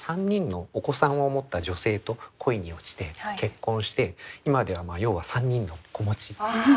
３人のお子さんを持った女性と恋に落ちて結婚して今では要は３人の子持ち。